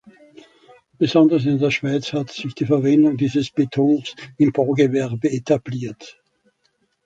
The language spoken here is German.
Besonders in der Schweiz hat sich die Verwendung dieses Betons im Baugewerbe etabliert.